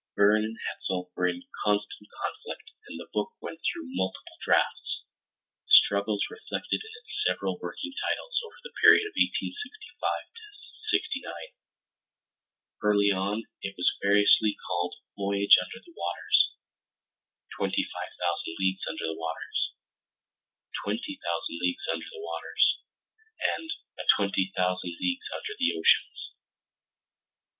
Verne and Hetzel were in constant conflict and the book went through multiple drafts, struggles reflected in its several working titles over the period 1865 69: early on, it was variously called Voyage Under the Waters, Twenty five Thousand Leagues Under the Waters, Twenty Thousand Leagues Under the Waters, and A Thousand Leagues Under the Oceans.